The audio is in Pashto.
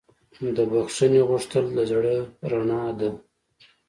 د بښنې غوښتل د زړه رڼا ده.